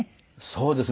そうです。